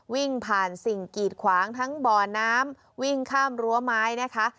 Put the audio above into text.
วิ่งผ่านสิ่งกีดขวางทั้งบ่อน้ำวิ่งข้ามรั้วไม้นะคะ